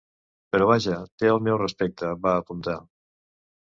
Però vaja, té el meu respecte, va apuntar.